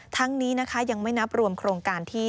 ทั้งนี้นะคะยังไม่นับรวมโครงการที่